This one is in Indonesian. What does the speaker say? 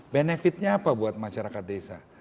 benefitnya apa buat masyarakat desa